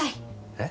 えっ？